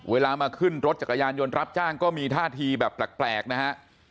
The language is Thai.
เวลามาขึ้นรถจักรยานยนต์รับจ้างก็มีท่าทีแบบแปลกนะฮะ